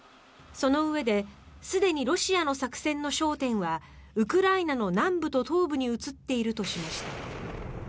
そのうえですでにロシアの作戦の焦点はウクライナの南部と東部に移ってるとしました。